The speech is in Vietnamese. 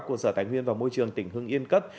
của sở tài nguyên và môi trường tỉnh hưng yên cấp